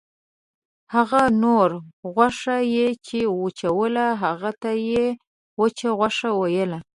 هغه نوره غوښه یې چې وچوله هغې ته یې وچه غوښه ویله.